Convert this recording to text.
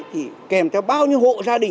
thì kèm theo bao nhiêu hộ gia đình